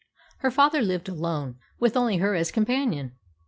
Her father lived alone, with only her as companion.